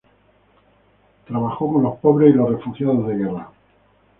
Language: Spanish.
Trabajó con los pobres y los refugiados de guerra.